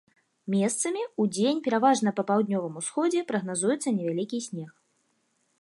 Месцамі, удзень пераважна па паўднёвым усходзе, прагназуецца невялікі снег.